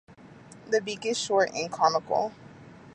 The beak is short and conical.